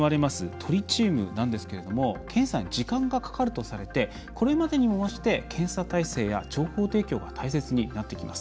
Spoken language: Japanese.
トリチウムなんですけど検査に時間がかかるとされてこれまでにも増して検査体制や情報提供が大切になってきます。